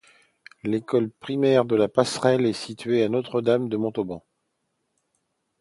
L'école primaire de la Passerelle est situé a Notre-Dame-de-Montauban.